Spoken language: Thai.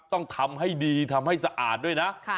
ต้องทำให้ดีทำให้สะอาดด้วยนะ